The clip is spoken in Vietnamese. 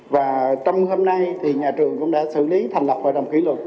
và trong hôm nay nhà trường cũng đã xử lý thành lập bài đồng kỷ luật